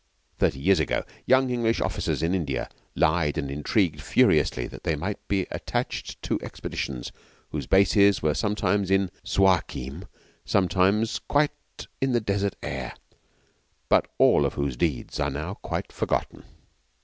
Thirty years ago, young English officers in India lied and intrigued furiously that they might be attached to expeditions whose bases were sometimes at Suakim, sometimes quite in the desert air, but all of whose deeds are now quite forgotten.